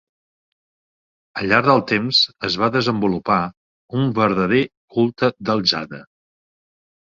Al llarg del temps es va desenvolupar un verdader culte del jade.